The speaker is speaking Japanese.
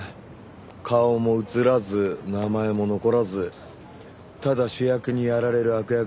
顔も映らず名前も残らずただ主役にやられる悪役ばかり。